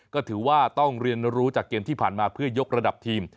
ก็ถือว่าต้องเรียนรู้จากเกมที่ผ่านมาเพื่อยกระดับทีม